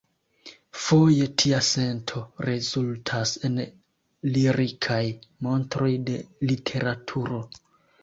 Foje tia sento rezultas en lirikaj montroj de literaturo.